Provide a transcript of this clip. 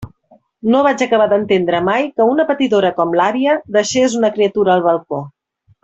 No vaig acabar d'entendre mai que una patidora com l'àvia deixés una criatura al balcó.